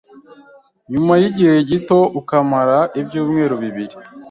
nyuma y’igihe gito akamara ibyumweru bibiri.